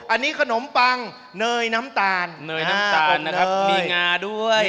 อันนี้ขนมปังเนยน้ำตาลมีงาด้วย